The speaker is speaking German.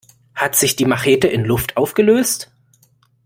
Hat sich die Machete in Luft aufgelöst?